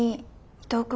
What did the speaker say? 伊藤君